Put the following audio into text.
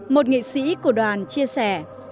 một nghệ sĩ của đoàn chia sẻ